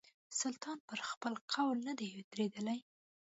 سلطان پر خپل قول نه دی درېدلی.